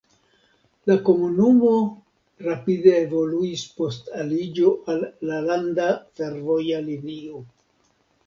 La komunumo rapide evoluis post aliĝo al la landa fervoja linio.